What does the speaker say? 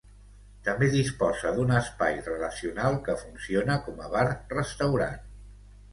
També disposa d'un espai relacional que funciona com a bar restaurant.